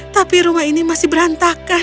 tapi rumah ini masih berantakan